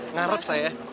ngarap saya ya